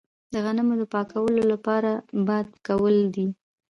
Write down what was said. د غنمو د پاکولو لاره باد کول دي.